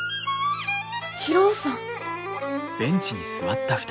博夫さん。